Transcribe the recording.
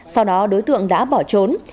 sau đó đối tượng đã bỏ trốn